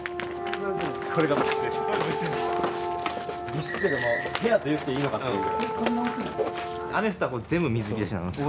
部室というか部屋と言っていいのかっていう。